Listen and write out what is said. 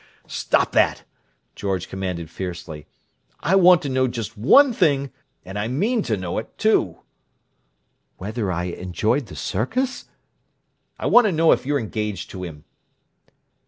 "Stop that!" George commanded fiercely. "I want to know just one thing, and I mean to know it, too!" "Whether I enjoyed the circus?" "I want to know if you're engaged to him!"